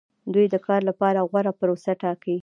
دوی د کار لپاره غوره پروسه ټاکي.